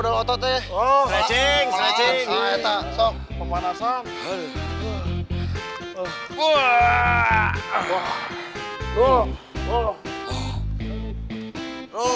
udah manula sesresing sesresing sesresing apa apa itu